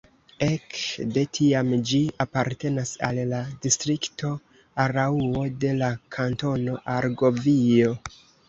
Ek de tiam ĝi apartenas al la distrikto Araŭo de la Kantono Argovio.